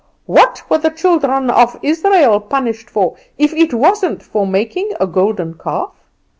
What were the children of Israel punished for, if it wasn't for making a golden calf?